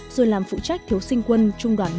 rồi làm phụ trách thiếu sinh quân trung đoàn bốn